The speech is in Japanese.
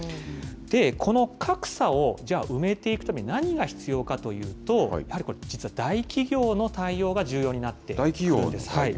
この格差を、じゃあ、埋めていくために何が必要かというと、やはり大企業の対応が重要になってくるんですね。